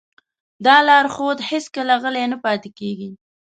دا لارښود هېڅکله غلی نه پاتې کېږي.